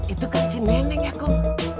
itu kan si nenek ya kum